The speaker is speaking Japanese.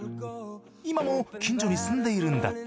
今も近所に住んでいるんだって。